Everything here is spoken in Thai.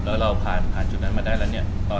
แล้วเราผ่านจุดนั้นมาได้แล้วเนี่ย